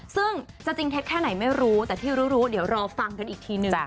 ซึ่งจะจริงเท็จแค่ไหนไม่รู้แต่ที่รู้เดี๋ยวรอฟังกันอีกทีหนึ่ง